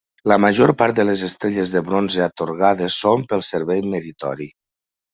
La major part de les Estrelles de Bronze atorgades són pel servei meritori.